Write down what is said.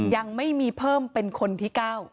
ยังไม่มีเพิ่มเป็นคนที่๙